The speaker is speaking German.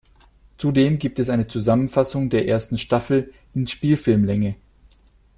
Zudem gibt es eine Zusammenfassung der ersten Staffel in Spielfilmlänge.